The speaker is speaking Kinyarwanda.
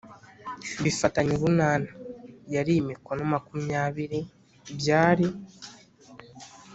bifatanye urunana yari mikono makumyabiri byari